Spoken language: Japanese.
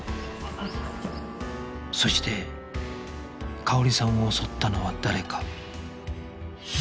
そして佳保里さんを襲ったのは誰か